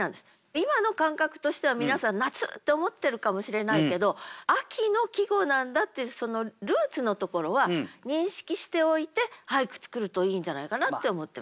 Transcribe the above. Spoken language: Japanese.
今の感覚としては皆さん夏って思ってるかもしれないけど秋の季語なんだっていうそのルーツのところは認識しておいて俳句作るといいんじゃないかなって思ってます。